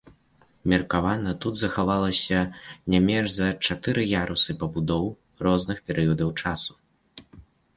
Меркавана тут захавалася не менш за чатыры ярусы пабудоў розных перыядаў часу.